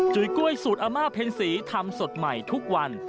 กล้วยสูตรอาม่าเพ็ญศรีทำสดใหม่ทุกวัน